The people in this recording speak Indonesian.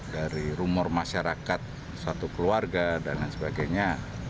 dari rumor masyarakat suatu keluarga dan lain sebagainya